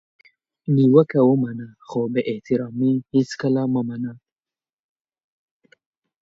نیوکه ومنه خو بي احترامي هیڅکله مه منه!